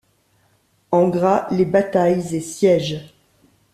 En gras les batailles et sièges.